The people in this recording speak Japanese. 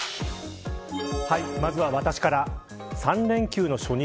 まずは私から３連休の初日